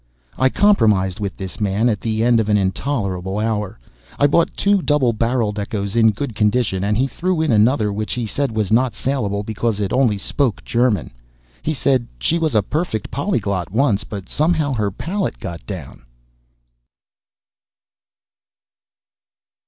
I compromised with this man at the end of an intolerable hour. I bought two double barreled echoes in good condition, and he threw in another, which he said was not salable because it only spoke German. He said, �She was a perfect polyglot once, but somehow her palate got down.